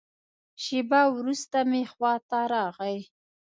شېبه وروسته مې خوا ته راغی.